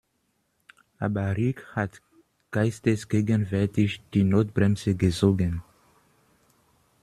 Aber Rick hat geistesgegenwärtig die Notbremse gezogen.